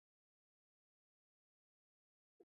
wafanyakazi walitakiwa kuwasaidia abiria kupanda boti